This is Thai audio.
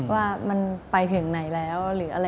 ว่ามันไปถึงไหนแล้ว